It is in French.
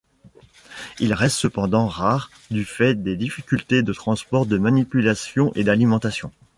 Ils restent cependant rares du fait des difficultés de transport de manipulation et d'alimentation.